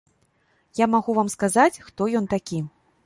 Я магу вам сказаць, хто ён такі.